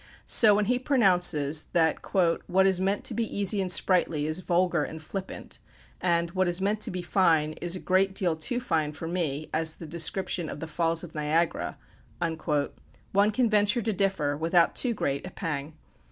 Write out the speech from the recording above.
So when he pronounces, that "what is meant to be easy and sprightly is vulgar and flippant," and "what is meant to be fine is a great deal too fine for me, as the description of the Falls of Niagara," one can venture to differ without too great a pang.